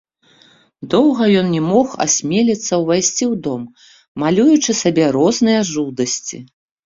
Доўга ён не мог асмеліцца ўвайсці ў дом, малюючы сабе розныя жудасці.